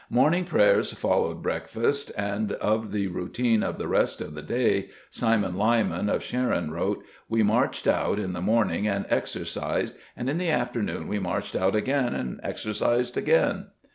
Morning prayers followed breakfast and of the routine of the rest of the day Simon Lyman of Sharon wrote "we marched out in the morning and exercised and in the afternoon we marched out again and exercised again".